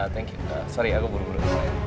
thank kita sorry aku buru buru